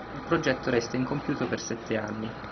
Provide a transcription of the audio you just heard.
Il progetto resta incompiuto per sette anni.